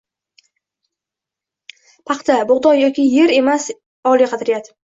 Paxta, bug‘doy yoki yer emas oliy qadriyat